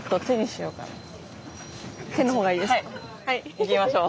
行きましょう。